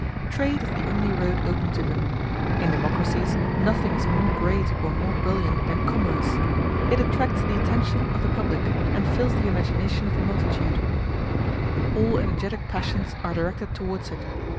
Trade is the only road open to them. In democracies nothing is more great or more brilliant than commerce: it attracts the attention of the public, and fills the imagination of the multitude; all energetic passions are directed towards it.